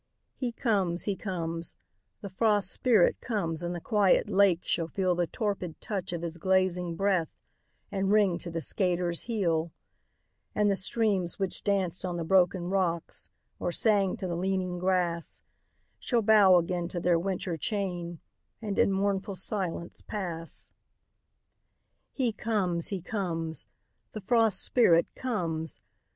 He comes, he comes, the Frost Spirit comes and the quiet lake shall feel The torpid touch of his glazing breath, and ring to the skater's heel; And the streams which danced on the broken rocks, or sang to the leaning grass, Shall bow again to their winter chain, and in mournful silence pass. He comes, he comes, the Frost Spirit comes!